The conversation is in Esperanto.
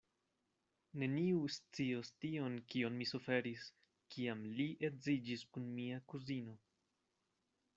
Neniu scios tion, kion mi suferis, kiam li edziĝis kun mia kuzino.